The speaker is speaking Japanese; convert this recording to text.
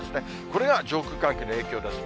これが上空寒気の影響です。